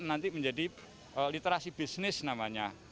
nanti menjadi literasi bisnis namanya